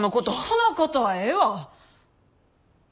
人のことはええわ！